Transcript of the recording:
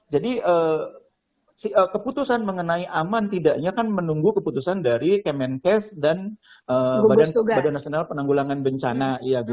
jadi keputusan mengenai aman tidaknya kan menunggu keputusan dari kemenkes dan badan nasional penanggulangan bencana